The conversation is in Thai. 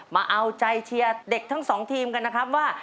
มาเอาใจเชียร์เด็กทั้งสองทีมกันนะครับว่า